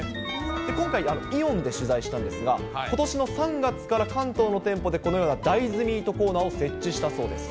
今回、イオンで取材したんですが、ことしの３月から関東の店舗でこのような大豆ミートコーナーを設置したそうです。